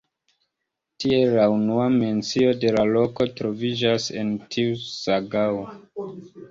Tiel la unua mencio de la loko troviĝas en tiu sagao.